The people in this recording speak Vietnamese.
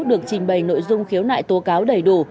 được trình bày nội dung khiếu nại tố cáo đầy đủ